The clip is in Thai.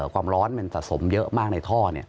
ความร้อนมันสะสมเยอะมากในท่อ